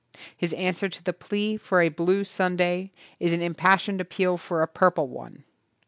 His answer to the plea for a blue Sunday is an im passioned appeal for a purple one.